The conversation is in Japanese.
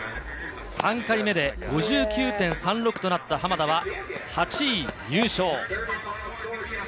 ３回目で５９．３６となった濱田は８位入賞。